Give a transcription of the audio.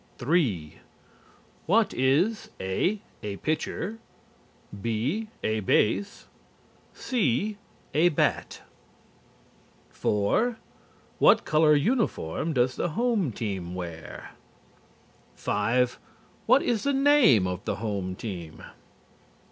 3. What is (a) a pitcher; (b) a base; (c) a bat? 4. What color uniform does the home team wear? 5. What is the name of the home team?